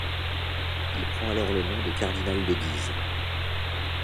Il prend alors le nom de cardinal de Guise.